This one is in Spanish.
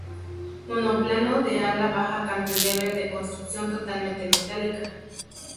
Monoplano de ala baja cantilever de construcción totalmente metálica.